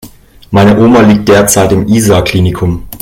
Meine Oma liegt derzeit im Isar Klinikum.